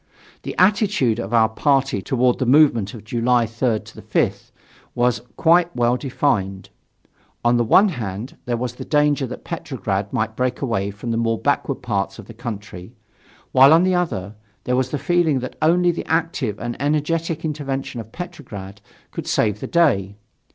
The attitude of our party toward the movement of July 3rd 5th was quite well defined. On the one hand, there was the danger that Petrograd might break away from the more backward parts of the country; while on the other, there was the feeling that only the active and energetic intervention of Petrograd could save the day.